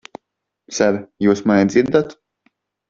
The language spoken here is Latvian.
Ser, jūs mani dzirdat?